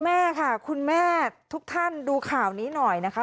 แม่ค่ะคุณแม่ทุกท่านดูข่าวนี้หน่อยนะคะ